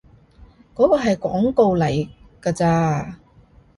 嗰個係廣告嚟㗎咋